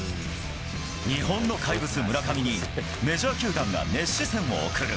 日本の怪物、ムラカミにメジャー球団が熱視線を送る。